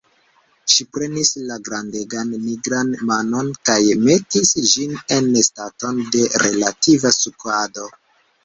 Ŝi prenis la grandegan nigran manon kaj metis ĝin en staton de relativa skuado.